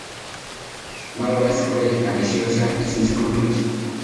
Malva es cruel, ambiciosa y sin escrúpulos.